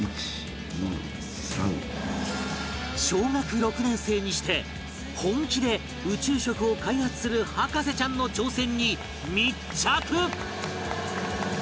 小学６年生にして本気で宇宙食を開発する博士ちゃんの挑戦に密着！